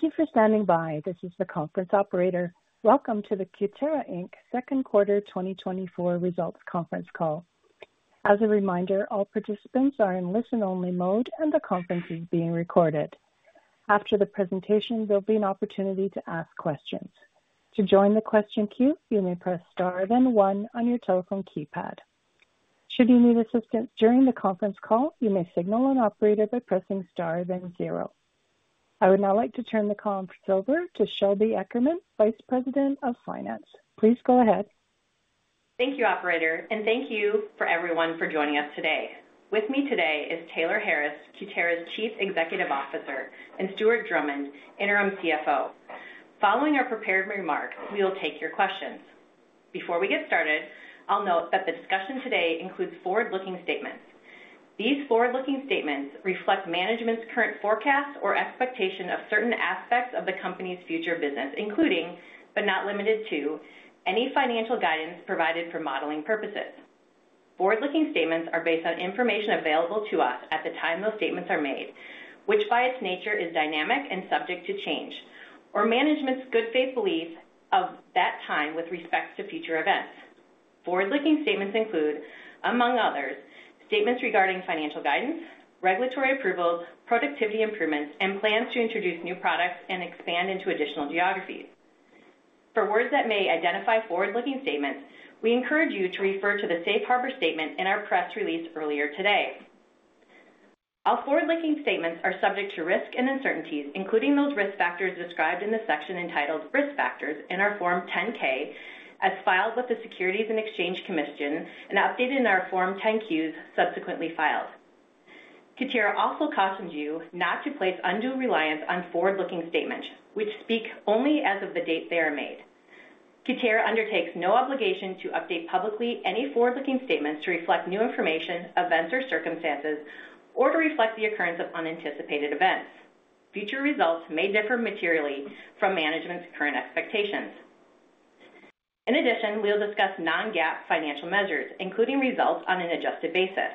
Thank you for standing by. This is the conference operator. Welcome to the Cutera Inc's second quarter 2024 results conference call. As a reminder, all participants are in listen-only mode, and the conference is being recorded. After the presentation, there'll be an opportunity to ask questions. To join the question queue, you may press star, then one on your telephone keypad. Should you need assistance during the conference call, you may signal an operator by pressing star, then zero. I would now like to turn the conference over to Shelby Eckerman, Vice President of Finance. Please go ahead. Thank you, operator, and thank you for everyone for joining us today. With me today is Taylor Harris, Cutera's Chief Executive Officer, and Stuart Drummond, Interim CFO. Following our prepared remarks, we will take your questions. Before we get started, I'll note that the discussion today includes forward-looking statements. These forward-looking statements reflect management's current forecast or expectation of certain aspects of the company's future business, including, but not limited to, any financial guidance provided for modeling purposes. Forward-looking statements are based on information available to us at the time those statements are made, which, by its nature, is dynamic and subject to change, or management's good faith belief of that time with respect to future events. Forward-looking statements include, among others, statements regarding financial guidance, regulatory approvals, productivity improvements, and plans to introduce new products and expand into additional geographies. For words that may identify forward-looking statements, we encourage you to refer to the safe harbor statement in our press release earlier today. All forward-looking statements are subject to risks and uncertainties, including those risk factors described in the section entitled "Risk Factors" in our Form 10-K as filed with the Securities and Exchange Commission and updated in our Form 10-Qs subsequently filed. Cutera also cautions you not to place undue reliance on forward-looking statements, which speak only as of the date they are made. Cutera undertakes no obligation to update publicly any forward-looking statements to reflect new information, events, or circumstances, or to reflect the occurrence of unanticipated events. Future results may differ materially from management's current expectations. In addition, we'll discuss non-GAAP financial measures, including results on an adjusted basis.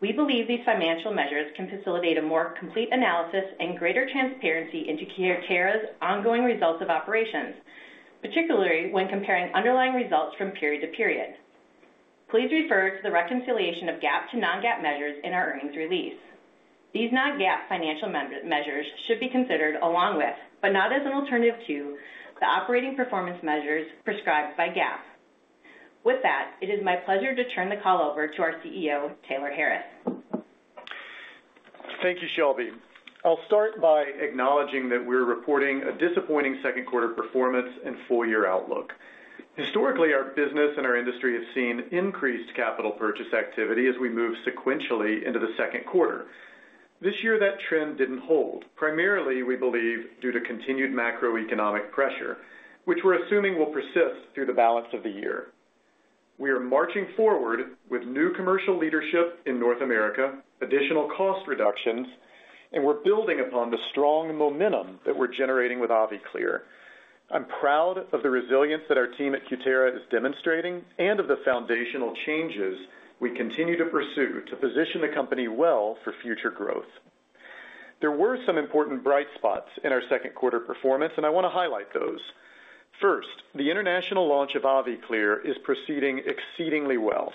We believe these financial measures can facilitate a more complete analysis and greater transparency into Cutera's ongoing results of operations, particularly when comparing underlying results from period to period. Please refer to the reconciliation of GAAP to non-GAAP measures in our earnings release. These non-GAAP financial measures should be considered along with, but not as an alternative to, the operating performance measures prescribed by GAAP. With that, it is my pleasure to turn the call over to our CEO, Taylor Harris. Thank you, Shelby. I'll start by acknowledging that we're reporting a disappointing second quarter performance and full-year outlook. Historically, our business and our industry have seen increased capital purchase activity as we move sequentially into the second quarter. This year, that trend didn't hold, primarily, we believe, due to continued macroeconomic pressure, which we're assuming will persist through the balance of the year. We are marching forward with new commercial leadership in North America, additional cost reductions, and we're building upon the strong momentum that we're generating with AviClear. I'm proud of the resilience that our team at Cutera is demonstrating and of the foundational changes we continue to pursue to position the company well for future growth. There were some important bright spots in our second quarter performance, and I want to highlight those. First, the international launch of AviClear is proceeding exceedingly well.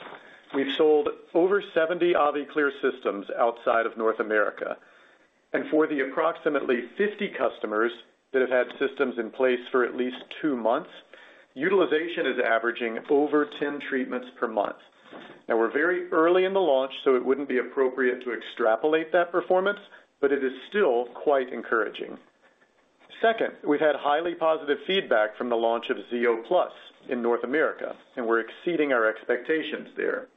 We've sold over 70 AviClear systems outside of North America, and for the approximately 50 customers that have had systems in place for at least two months, utilization is averaging over 10 treatments per month. Now, we're very early in the launch, so it wouldn't be appropriate to extrapolate that performance, but it is still quite encouraging. Second, we've had highly positive feedback from the launch of xeo+ in North America, and we're exceeding our expectations there.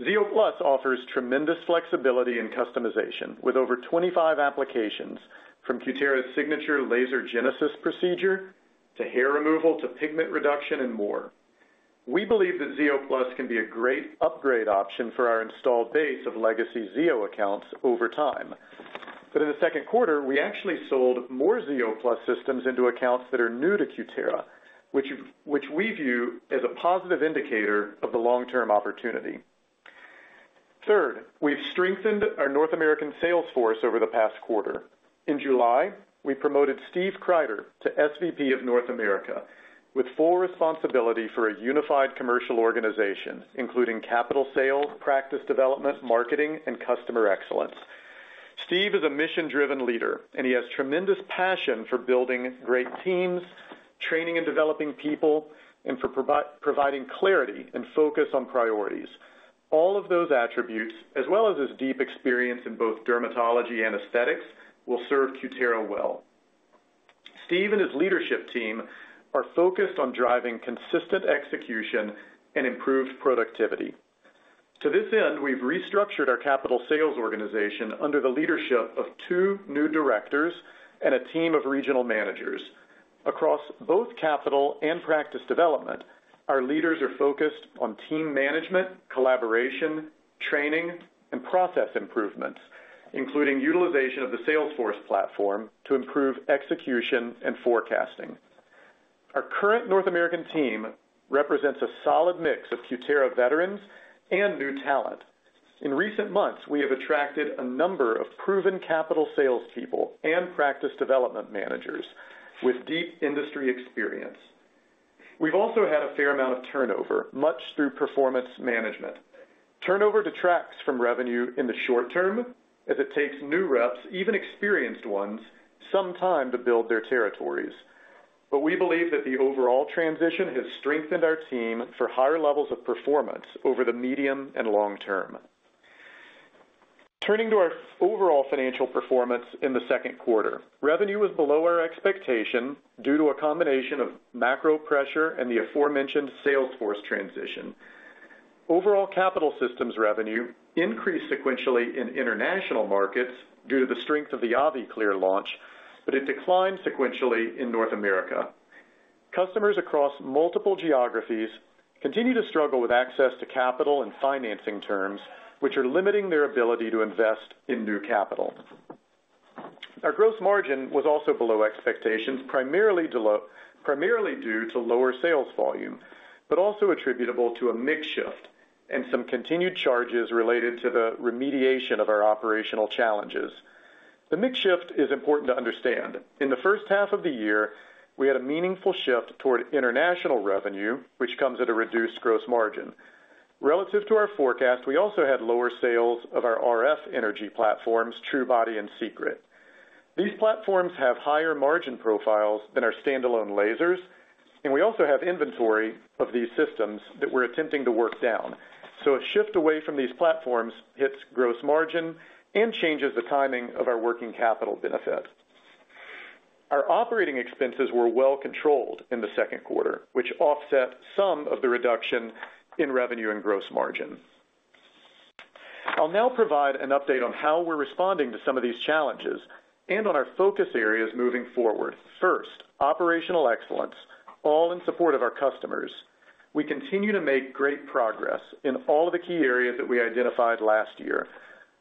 Xeo+ offers tremendous flexibility and customization, with over 25 applications from Cutera's signature Laser Genesis procedure to hair removal to pigment reduction and more. We believe that xeo+ can be a great upgrade option for our installed base of legacy xeo accounts over time. But in the second quarter, we actually sold more xeo+ systems into accounts that are new to Cutera, which we view as a positive indicator of the long-term opportunity. Third, we've strengthened our North American sales force over the past quarter. In July, we promoted Steve Kreider to SVP of North America, with full responsibility for a unified commercial organization, including capital sales, practice development, marketing, and customer excellence. Steve is a mission-driven leader, and he has tremendous passion for building great teams, training and developing people, and for providing clarity and focus on priorities. All of those attributes, as well as his deep experience in both dermatology and aesthetics, will serve Cutera well. Steve and his leadership team are focused on driving consistent execution and improved productivity. To this end, we've restructured our capital sales organization under the leadership of two new directors and a team of regional managers. Across both capital and practice development, our leaders are focused on team management, collaboration, training, and process improvements, including utilization of the Salesforce platform to improve execution and forecasting. Our current North American team represents a solid mix of Cutera veterans and new talent. In recent months, we have attracted a number of proven capital sales people and practice development managers with deep industry experience. We've also had a fair amount of turnover, much through performance management. Turnover detracts from revenue in the short term, as it takes new reps, even experienced ones, some time to build their territories. But we believe that the overall transition has strengthened our team for higher levels of performance over the medium and long term. Turning to our overall financial performance in the second quarter, revenue was below our expectation due to a combination of macro pressure and the aforementioned sales force transition. Overall, capital systems revenue increased sequentially in international markets due to the strength of the AviClear launch, but it declined sequentially in North America. Customers across multiple geographies continue to struggle with access to capital and financing terms, which are limiting their ability to invest in new capital. Our gross margin was also below expectations, primarily due to lower sales volume, but also attributable to a mix shift and some continued charges related to the remediation of our operational challenges. The mix shift is important to understand. In the first half of the year, we had a meaningful shift toward international revenue, which comes at a reduced gross margin. Relative to our forecast, we also had lower sales of our RF energy platforms, truBody and Secret. These platforms have higher margin profiles than our standalone lasers, and we also have inventory of these systems that we're attempting to work down. So a shift away from these platforms hits gross margin and changes the timing of our working capital benefit. Our operating expenses were well controlled in the second quarter, which offset some of the reduction in revenue and gross margin. I'll now provide an update on how we're responding to some of these challenges and on our focus areas moving forward. First, operational excellence, all in support of our customers. We continue to make great progress in all of the key areas that we identified last year: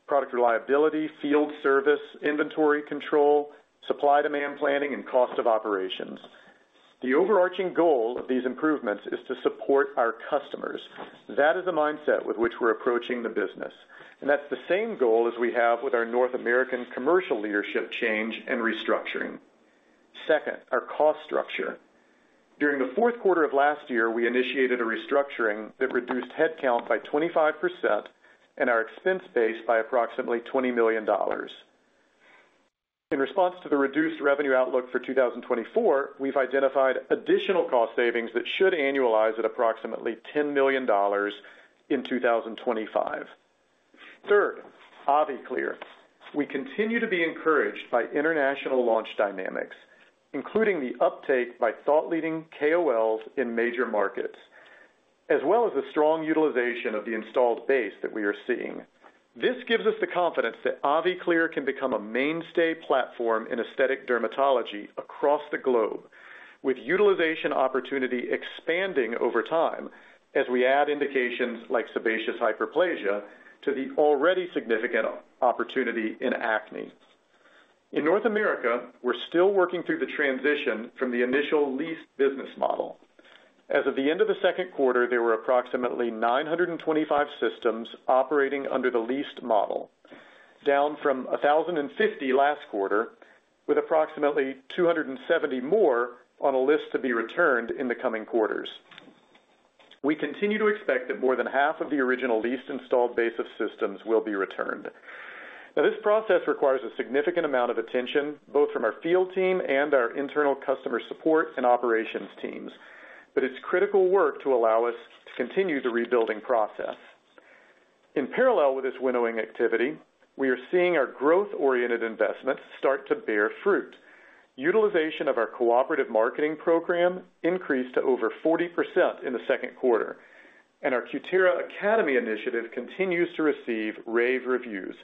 product reliability, field service, inventory control, supply demand planning, and cost of operations. The overarching goal of these improvements is to support our customers. That is the mindset with which we're approaching the business, and that's the same goal as we have with our North American commercial leadership change and restructuring. Second, our cost structure. During the fourth quarter of last year, we initiated a restructuring that reduced headcount by 25% and our expense base by approximately $20 million. In response to the reduced revenue outlook for 2024, we've identified additional cost savings that should annualize at approximately $10 million in 2025. Third, AviClear. We continue to be encouraged by international launch dynamics, including the uptake by thought leading KOLs in major markets, as well as the strong utilization of the installed base that we are seeing. This gives us the confidence that AviClear can become a mainstay platform in aesthetic dermatology across the globe, with utilization opportunity expanding over time as we add indications like sebaceous hyperplasia to the already significant opportunity in acne. In North America, we're still working through the transition from the initial lease business model. As of the end of the second quarter, there were approximately 925 systems operating under the leased model, down from 1,050 last quarter, with approximately 270 more on a list to be returned in the coming quarters. We continue to expect that more than half of the original leased installed base of systems will be returned. Now, this process requires a significant amount of attention, both from our field team and our internal customer support and operations teams, but it's critical work to allow us to continue the rebuilding process. In parallel with this winnowing activity, we are seeing our growth-oriented investments start to bear fruit. Utilization of our cooperative marketing program increased to over 40% in the second quarter, and our Cutera Academy initiative continues to receive rave reviews.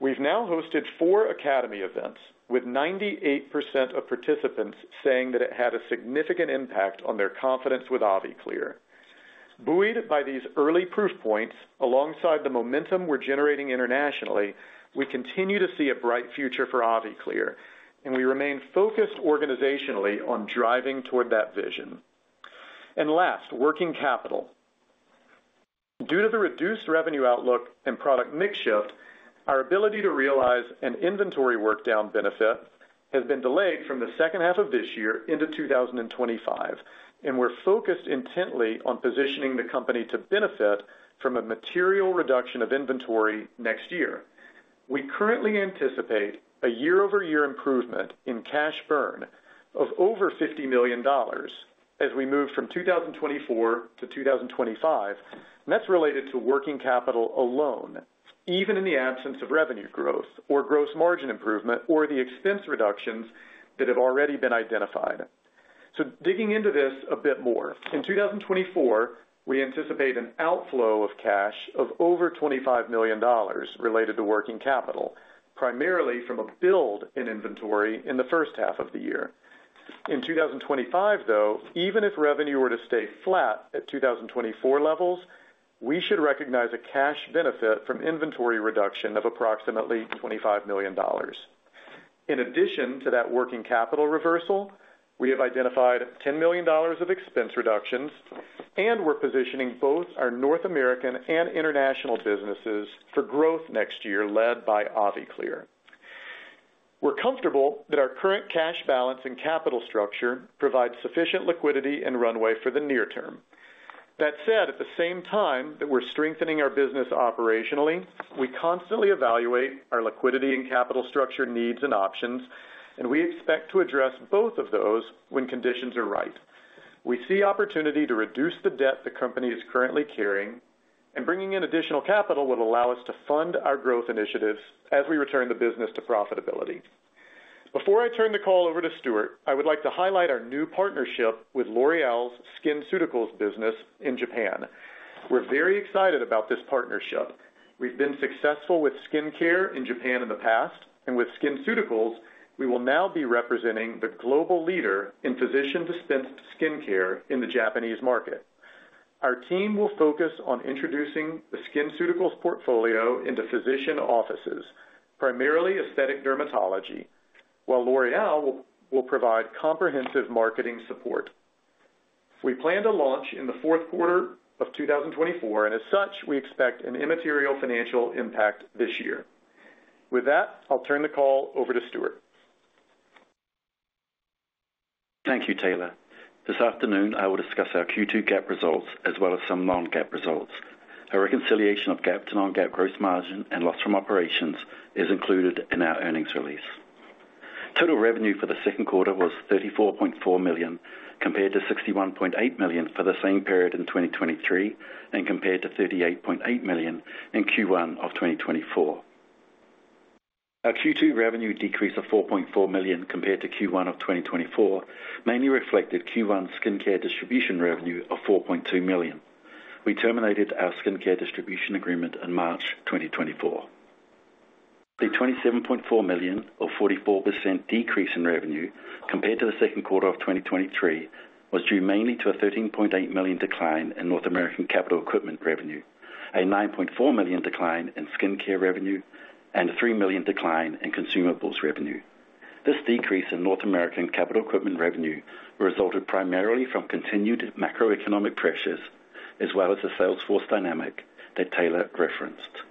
We've now hosted four Academy events, with 98% of participants saying that it had a significant impact on their confidence with AviClear. Buoyed by these early proof points, alongside the momentum we're generating internationally, we continue to see a bright future for AviClear, and we remain focused organizationally on driving toward that vision. And last, working capital. Due to the reduced revenue outlook and product mix shift, our ability to realize an inventory work down benefit has been delayed from the second half of this year into 2025, and we're focused intently on positioning the company to benefit from a material reduction of inventory next year. We currently anticipate a year-over-year improvement in cash burn of over $50 million as we move from 2024 to 2025, and that's related to working capital alone, even in the absence of revenue growth or gross margin improvement, or the expense reductions that have already been identified. So digging into this a bit more. In 2024, we anticipate an outflow of cash of over $25 million related to working capital, primarily from a build in inventory in the first half of the year. In 2025, though, even if revenue were to stay flat at 2024 levels, we should recognize a cash benefit from inventory reduction of approximately $25 million. In addition to that working capital reversal, we have identified $10 million of expense reductions, and we're positioning both our North American and international businesses for growth next year, led by AviClear. We're comfortable that our current cash balance and capital structure provide sufficient liquidity and runway for the near term. That said, at the same time that we're strengthening our business operationally, we constantly evaluate our liquidity and capital structure needs and options, and we expect to address both of those when conditions are right. We see opportunity to reduce the debt the company is currently carrying, and bringing in additional capital would allow us to fund our growth initiatives as we return the business to profitability. Before I turn the call over to Stuart, I would like to highlight our new partnership with L'Oréal's SkinCeuticals business in Japan. We're very excited about this partnership. We've been successful with skincare in Japan in the past, and with SkinCeuticals, we will now be representing the global leader in physician-dispensed skincare in the Japanese market. Our team will focus on introducing the SkinCeuticals portfolio into physician offices, primarily aesthetic dermatology, while L'Oréal will provide comprehensive marketing support. We plan to launch in the fourth quarter of 2024, and as such, we expect an immaterial financial impact this year. With that, I'll turn the call over to Stuart. Thank you, Taylor. This afternoon, I will discuss our Q2 GAAP results as well as some non-GAAP results. A reconciliation of GAAP to non-GAAP gross margin and loss from operations is included in our earnings release. Total revenue for the second quarter was $34.4 million, compared to $61.8 million for the same period in 2023, and compared to $38.8 million in Q1 of 2024. Our Q2 revenue decreased of $4.4 million compared to Q1 of 2024, mainly reflected Q1 skincare distribution revenue of $4.2 million. We terminated our skincare distribution agreement in March 2024. The $27.4 million, or 44% decrease in revenue compared to the second quarter of 2023, was due mainly to a $13.8 million decline in North American capital equipment revenue, a $9.4 million decline in skincare revenue, and $3 million decline in consumables revenue. This decrease in North American capital equipment revenue resulted primarily from continued macroeconomic pressures as well as the sales force dynamic that Taylor referenced.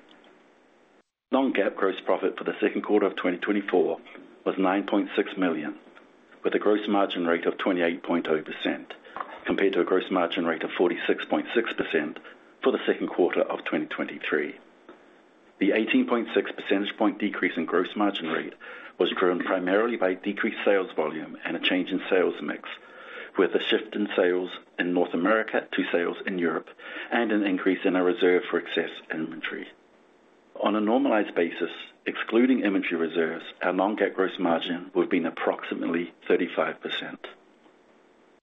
Non-GAAP gross profit for the second quarter of 2024 was $9.6 million, with a gross margin rate of 28.0%, compared to a gross margin rate of 46.6% for the second quarter of 2023. The 18.6 percentage point decrease in gross margin rate was driven primarily by decreased sales volume and a change in sales mix, with a shift in sales in North America to sales in Europe, and an increase in our reserve for excess inventory. On a normalized basis, excluding inventory reserves, our non-GAAP gross margin would have been approximately 35%.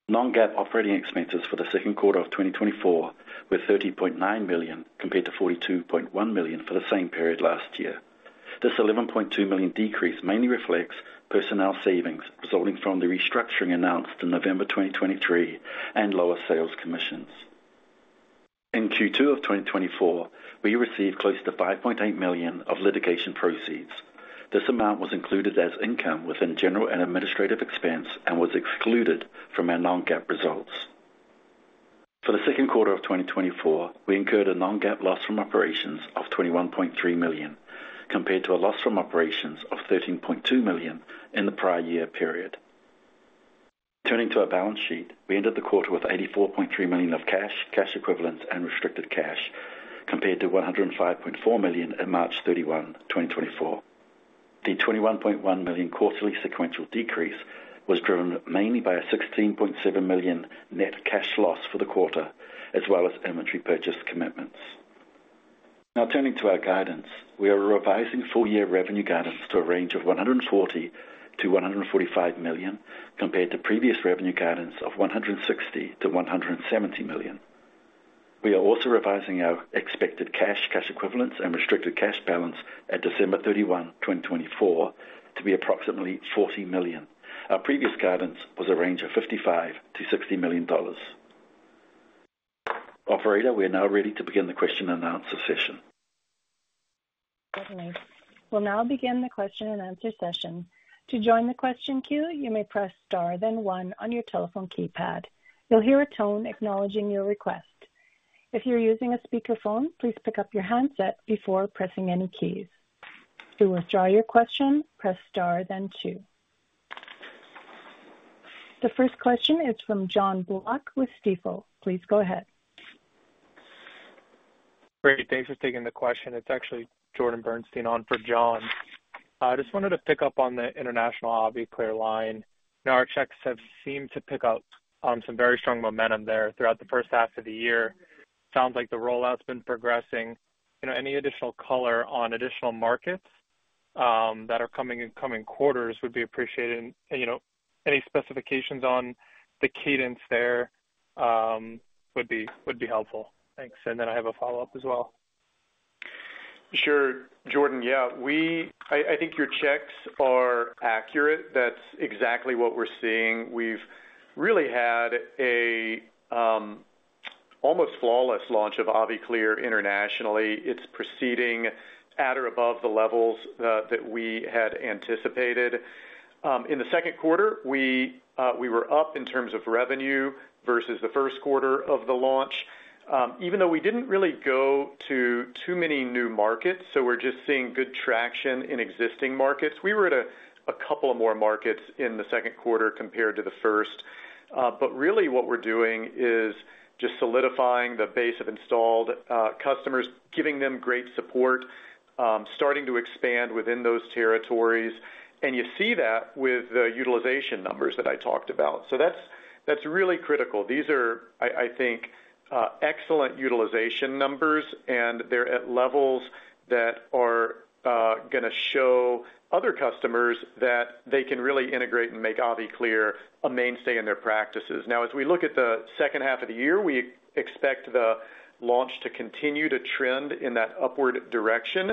Non-GAAP operating expenses for the second quarter of 2024 were $30.9 million, compared to $42.1 million for the same period last year. This $11.2 million decrease mainly reflects personnel savings resulting from the restructuring announced in November 2023 and lower sales commissions. In Q2 of 2024, we received close to $5.8 million of litigation proceeds. This amount was included as income within general and administrative expense and was excluded from our non-GAAP results. For the second quarter of 2024, we incurred a non-GAAP loss from operations of $21.3 million, compared to a loss from operations of $13.2 million in the prior year period. Turning to our balance sheet, we ended the quarter with $84.3 million of cash, cash equivalents and restricted cash, compared to $105.4 million in March 31, 2024. The $21.1 million quarterly sequential decrease was driven mainly by a $16.7 million net cash loss for the quarter, as well as inventory purchase commitments. Now, turning to our guidance, we are revising full-year revenue guidance to a range of $140 million-$145 million, compared to previous revenue guidance of $160 million-$170 million. We are also revising our expected cash, cash equivalents and restricted cash balance at December 31, 2024, to be approximately $40 million. Our previous guidance was a range of $55 million-$60 million. Operator, we are now ready to begin the question-and-answer session. Definitely. We'll now begin the question-and-answer session. To join the question queue, you may press Star, then one on your telephone keypad. You'll hear a tone acknowledging your request. If you're using a speakerphone, please pick up your handset before pressing any keys. To withdraw your question, press Star, then two. The first question is from Jon Block with Stifel. Please go ahead. Great. Thanks for taking the question. It's actually Jordan Bernstein on for Jon. I just wanted to pick up on the international AviClear line. Now, our checks have seemed to pick up some very strong momentum there throughout the first half of the year. Sounds like the rollout's been progressing. You know, any additional color on additional markets that are coming in coming quarters would be appreciated. And, you know, any specifications on the cadence there would be helpful. Thanks. And then I have a follow-up as well. Sure, Jordan. Yeah, I, I think your checks are accurate. That's exactly what we're seeing. We've really had almost flawless launch of AviClear internationally. It's proceeding at or above the levels that we had anticipated. In the second quarter, we, we were up in terms of revenue versus the first quarter of the launch, even though we didn't really go to too many new markets, so we're just seeing good traction in existing markets. We were at a couple of more markets in the second quarter compared to the first. But really what we're doing is just solidifying the base of installed customers, giving them great support, starting to expand within those territories, and you see that with the utilization numbers that I talked about. So that's, that's really critical. These are, I think, excellent utilization numbers, and they're at levels that are gonna show other customers that they can really integrate and make AviClear a mainstay in their practices. Now, as we look at the second half of the year, we expect the launch to continue to trend in that upward direction.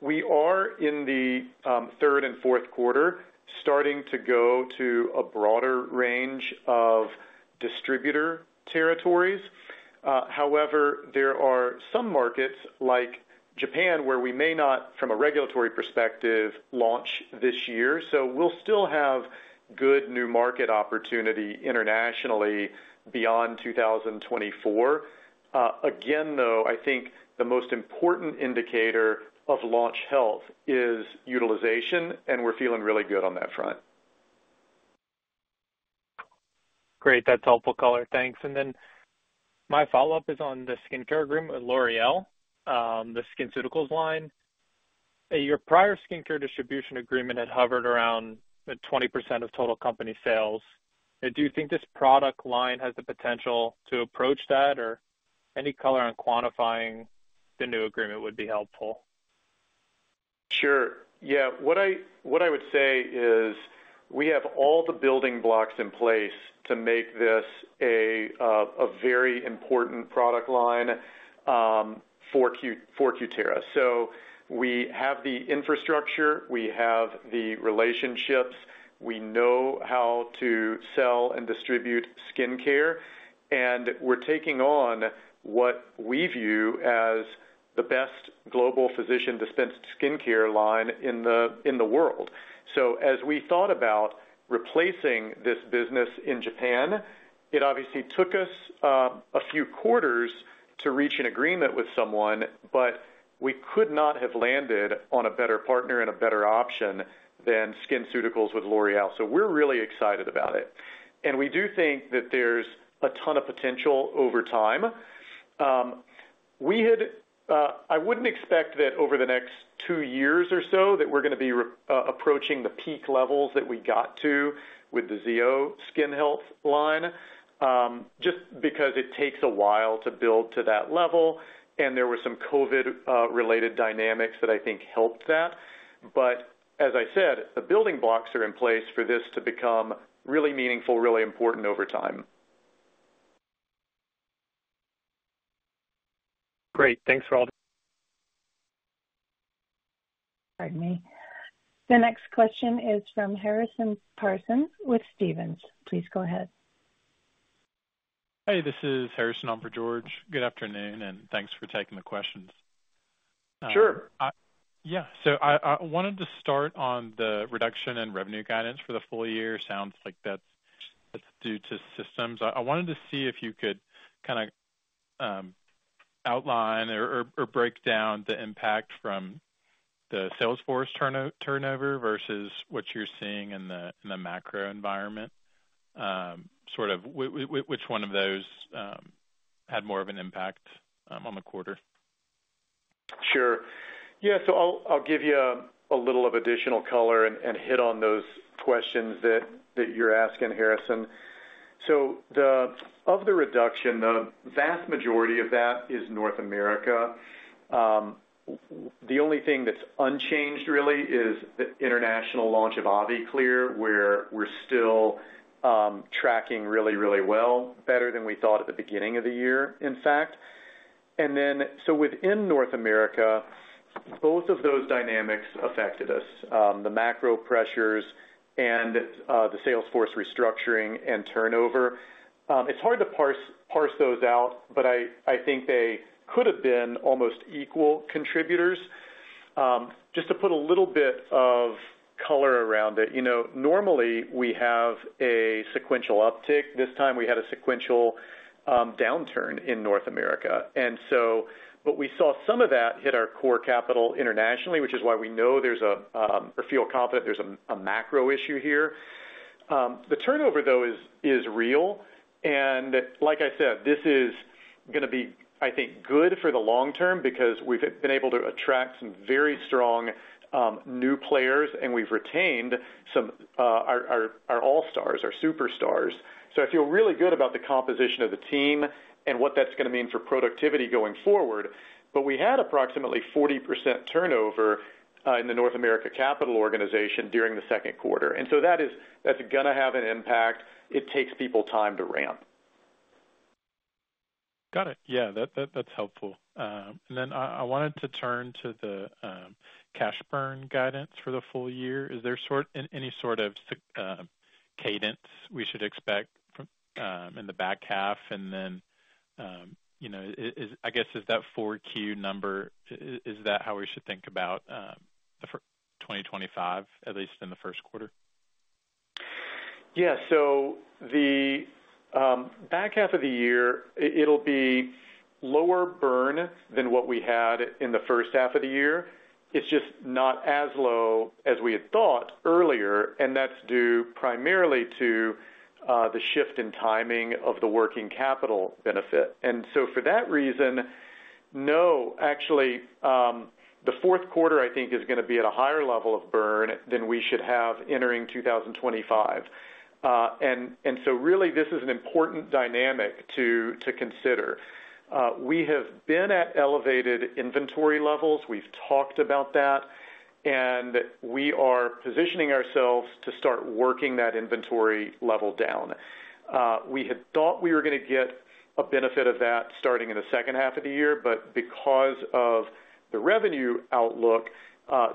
We are in the third and fourth quarter, starting to go to a broader range of distributor territories. However, there are some markets like Japan, where we may not, from a regulatory perspective, launch this year, so we'll still have good new market opportunity internationally beyond 2024. Again, though, I think the most important indicator of launch health is utilization, and we're feeling really good on that front. Great, that's helpful color. Thanks. And then my follow-up is on the skincare agreement with L'Oréal, the SkinCeuticals line. Your prior skincare distribution agreement had hovered around 20% of total company sales. Do you think this product line has the potential to approach that, or any color on quantifying the new agreement would be helpful? Sure. Yeah, what I would say is we have all the building blocks in place to make this a very important product line for Cutera. So we have the infrastructure, we have the relationships, we know how to sell and distribute skincare, and we're taking on what we view as the best global physician-dispensed skincare line in the world. So as we thought about replacing this business in Japan, it obviously took us a few quarters to reach an agreement with someone, but we could not have landed on a better partner and a better option than SkinCeuticals with L'Oréal. So we're really excited about it, and we do think that there's a ton of potential over time. I wouldn't expect that over the next two years or so, that we're gonna be approaching the peak levels that we got to with the ZO Skin Health line, just because it takes a while to build to that level, and there were some COVID related dynamics that I think helped that. But as I said, the building blocks are in place for this to become really meaningful, really important over time. Great. Thanks, Taylor. Pardon me. The next question is from Harrison Parsons with Stephens. Please go ahead. Hey, this is Harrison on for George. Good afternoon, and thanks for taking the questions. Sure. Yeah. So I wanted to start on the reduction in revenue guidance for the full year. Sounds like that's due to systems. I wanted to see if you could kinda outline or break down the impact from the sales force turnover versus what you're seeing in the macro environment. Sort of which one of those had more of an impact on the quarter? Sure. Yeah, so I'll give you a little of additional color and hit on those questions that you're asking, Harrison. So of the reduction, the vast majority of that is North America. The only thing that's unchanged really is the international launch of AviClear, where we're still tracking really, really well, better than we thought at the beginning of the year, in fact. And then, so within North America, both of those dynamics affected us, the macro pressures and the sales force restructuring and turnover. It's hard to parse those out, but I think they could have been almost equal contributors. Just to put a little bit of color around it, you know, normally we have a sequential uptick. This time we had a sequential downturn in North America, and so, but we saw some of that hit our core capital internationally, which is why we know there's a or feel confident there's a macro issue here. The turnover, though, is real, and like I said, this is gonna be, I think, good for the long term because we've been able to attract some very strong new players, and we've retained some our all-stars, our superstars. So I feel really good about the composition of the team and what that's gonna mean for productivity going forward. But we had approximately 40% turnover in the North America capital organization during the second quarter, and so that is that's gonna have an impact. It takes people time to ramp. Got it. Yeah, that's helpful. And then I wanted to turn to the cash burn guidance for the full year. Is there any sort of cadence we should expect in the back half? And then, you know, I guess, is that 4Q number, is that how we should think about the FY 2025, at least in the first quarter? Yeah. So the, back half of the year, it, it'll be lower burn than what we had in the first half of the year. It's just not as low as we had thought earlier, and that's due primarily to, the shift in timing of the working capital benefit. And so for that reason, no, actually, the fourth quarter, I think, is gonna be at a higher level of burn than we should have entering 2025. And, and so really, this is an important dynamic to, to consider. We have been at elevated inventory levels. We've talked about that, and we are positioning ourselves to start working that inventory level down. We had thought we were gonna get a benefit of that starting in the second half of the year, but because of the revenue outlook,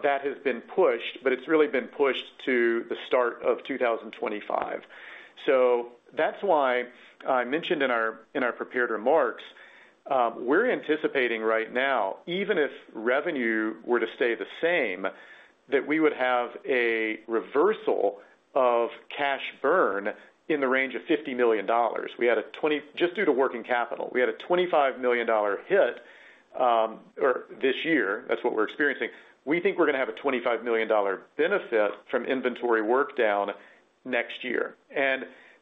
that has been pushed, but it's really been pushed to the start of 2025. So that's why I mentioned in our, in our prepared remarks, we're anticipating right now, even if revenue were to stay the same, that we would have a reversal of cash burn in the range of $50 million. Just due to working capital, we had a $25 million hit or this year, that's what we're experiencing. We think we're gonna have a $25 million benefit from inventory work down next year.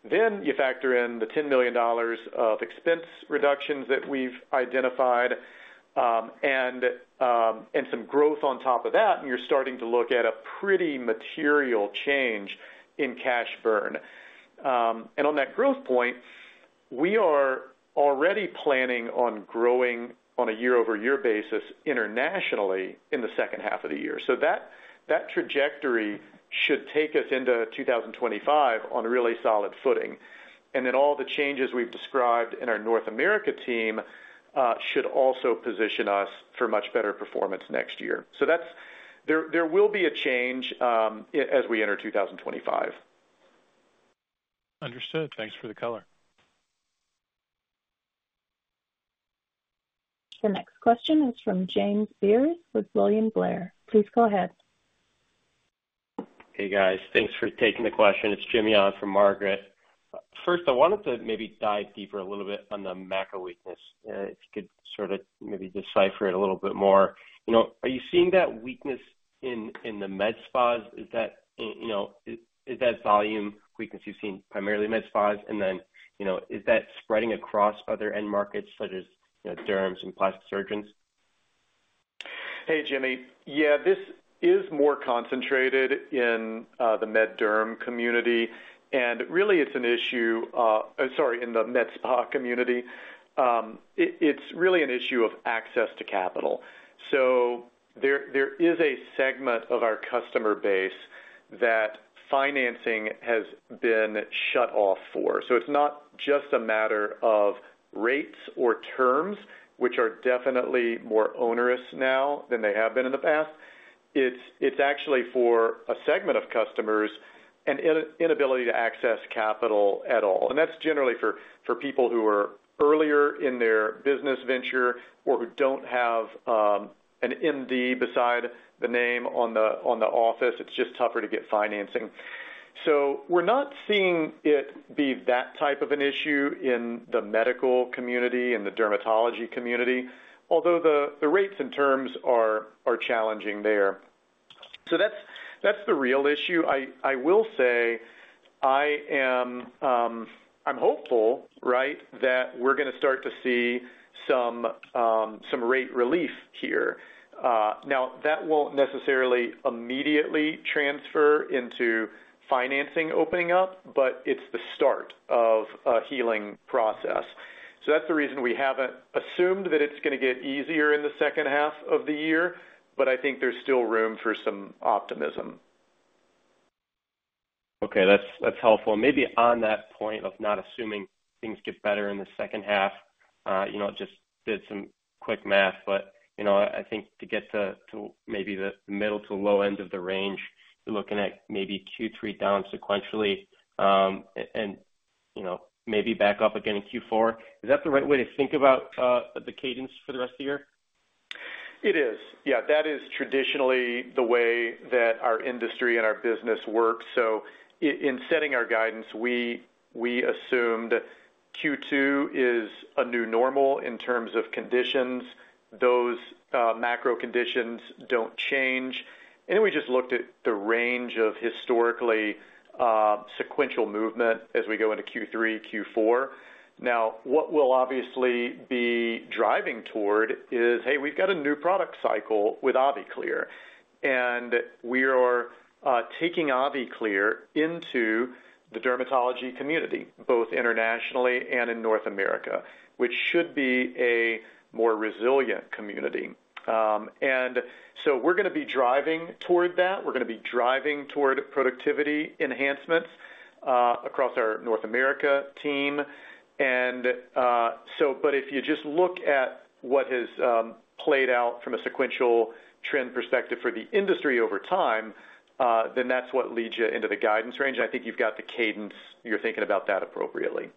Then you factor in the $10 million of expense reductions that we've identified, and some growth on top of that, and you're starting to look at a pretty material change in cash burn. And on that growth point, we are already planning on growing on a year-over-year basis internationally in the second half of the year. So that trajectory should take us into 2025 on a really solid footing. And then all the changes we've described in our North America team should also position us for much better performance next year. So there will be a change as we enter 2025. Understood. Thanks for the color. The next question is from James Sears with William Blair. Please go ahead. Hey, guys. Thanks for taking the question. It's Jimmy on from Margaret. First, I wanted to maybe dive deeper a little bit on the macro weakness. If you could sort of maybe decipher it a little bit more. You know, are you seeing that weakness in the med spas? Is that, you know, is that volume weakness you've seen primarily in med spas? And then, you know, is that spreading across other end markets such as, you know, derms and plastic surgeons? Hey, Jimmy. Yeah, this is more concentrated in the med derm community, and really, it's an issue. Sorry, in the med spa community. It, it's really an issue of access to capital. So there, there is a segment of our customer base that financing has been shut off for. So it's not just a matter of rates or terms, which are definitely more onerous now than they have been in the past. It's, it's actually for a segment of customers, an inability to access capital at all, and that's generally for people who are earlier in their business venture or who don't have an MD beside the name on the office. It's just tougher to get financing. So we're not seeing it be that type of an issue in the medical community, in the dermatology community, although the rates and terms are challenging there. So that's the real issue. I will say, I am, I'm hopeful, right, that we're gonna start to see some rate relief here. Now, that won't necessarily immediately transfer into financing opening up, but it's the start of a healing process. So that's the reason we haven't assumed that it's gonna get easier in the second half of the year, but I think there's still room for some optimism. Okay, that's helpful. Maybe on that point of not assuming things get better in the second half, you know, just did some quick math, but, you know, I think to get to maybe the middle to low end of the range, you're looking at maybe Q3 down sequentially, and you know, maybe back up again in Q4. Is that the right way to think about the cadence for the rest of the year? It is. Yeah, that is traditionally the way that our industry and our business works. So in setting our guidance, we assume that Q2 is a new normal in terms of conditions. Those macro conditions don't change. And we just looked at the range of historically sequential movement as we go into Q3, Q4. Now, what we'll obviously be driving toward is, hey, we've got a new product cycle with AviClear, and we are taking AviClear into the dermatology community, both internationally and in North America, which should be a more resilient community. And so we're gonna be driving toward that. We're gonna be driving toward productivity enhancements across our North America team. But if you just look at what has played out from a sequential trend perspective for the industry over time, then that's what leads you into the guidance range. I think you've got the cadence. You're thinking about that appropriately.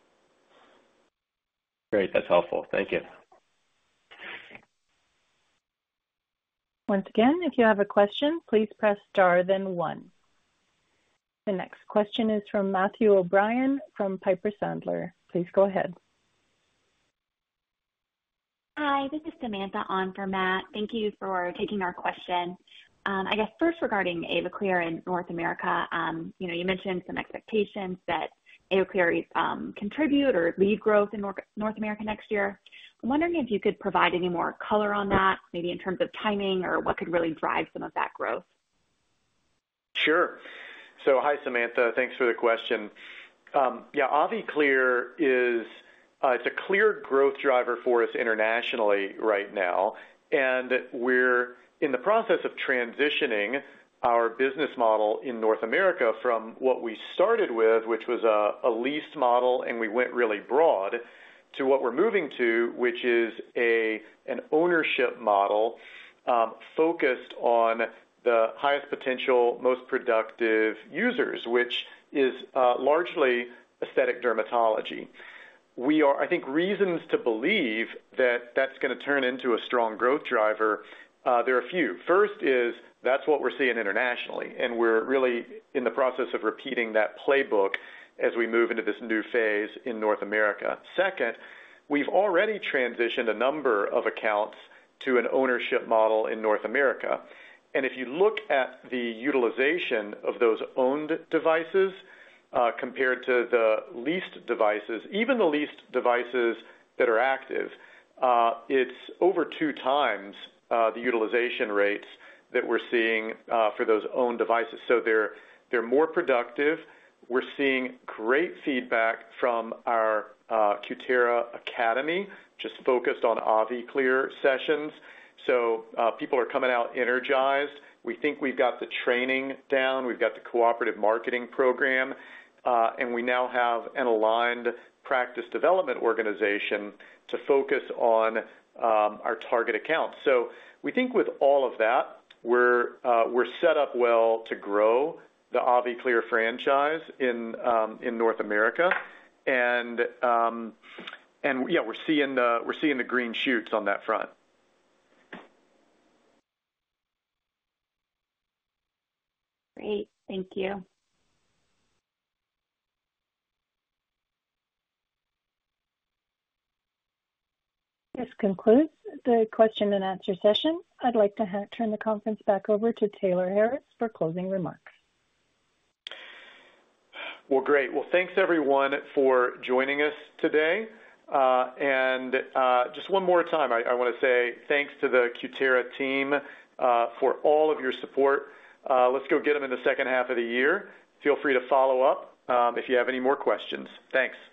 Great. That's helpful. Thank you. Once again, if you have a question, please press star, then One. The next question is from Matthew O'Brien from Piper Sandler. Please go ahead. Hi, this is Samantha on for Matt. Thank you for taking our question. I guess first regarding AviClear in North America, you know, you mentioned some expectations that AviClear contribute or lead growth in North, North America next year. I'm wondering if you could provide any more color on that, maybe in terms of timing or what could really drive some of that growth? Sure. So hi, Samantha, thanks for the question. Yeah, AviClear is, it's a clear growth driver for us internationally right now, and we're in the process of transitioning our business model in North America from what we started with, which was a lease model, and we went really broad, to what we're moving to, which is an ownership model, focused on the highest potential, most productive users, which is largely aesthetic dermatology. We are. I think, reasons to believe that that's going to turn into a strong growth driver, there are a few. First is, that's what we're seeing internationally, and we're really in the process of repeating that playbook as we move into this new phase in North America. Second, we've already transitioned a number of accounts to an ownership model in North America, and if you look at the utilization of those owned devices, compared to the leased devices, even the leased devices that are active, it's over 2x the utilization rates that we're seeing for those owned devices. So they're more productive. We're seeing great feedback from our Cutera Academy, just focused on AviClear sessions, so people are coming out energized. We think we've got the training down, we've got the cooperative marketing program, and we now have an aligned practice development organization to focus on our target accounts. So we think with all of that, we're set up well to grow the AviClear franchise in North America. And, yeah, we're seeing the green shoots on that front. Great. Thank you. This concludes the question and answer session. I'd like to turn the conference back over to Taylor Harris for closing remarks. Well, great. Well, thanks, everyone, for joining us today. And just one more time, I want to say thanks to the Cutera team for all of your support. Let's go get 'em in the second half of the year. Feel free to follow up if you have any more questions. Thanks.